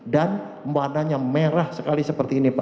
dan warnanya merah sekali seperti ini pak